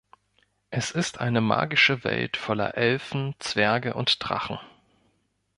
Es ist eine magische Welt voller Elfen, Zwerge und Drachen.